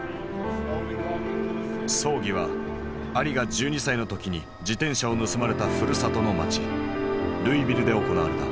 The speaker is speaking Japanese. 葬儀はアリが１２歳の時に自転車を盗まれたふるさとの町ルイビルで行われた。